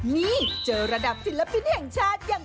นี่เจอระดับศิลปินแห่งชาติอย่าง